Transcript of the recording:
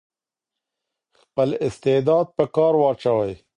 خپل استعداد په کار واچوئ.